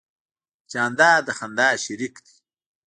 جانداد د خندا شریک دی.